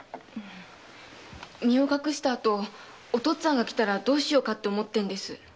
身を隠した後お父っつぁんが来たらどうしようかと思ってんです。